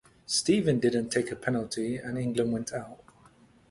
Steven didn't take a penalty and England went out.